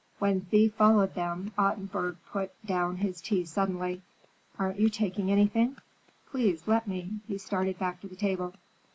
When Thea followed them, Ottenburg put down his tea suddenly. "Aren't you taking anything? Please let me." He started back to the table.